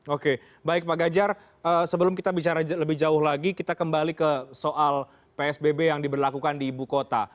oke baik pak gajar sebelum kita bicara lebih jauh lagi kita kembali ke soal psbb yang diberlakukan di ibu kota